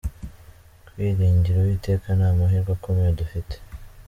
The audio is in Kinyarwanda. Kwiringira Uwiteka ni amahirwe akomeye dufite.